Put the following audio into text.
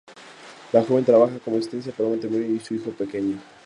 La joven trabaja como asistenta para un matrimonio y su hijo pequeño.